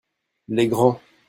Les grands.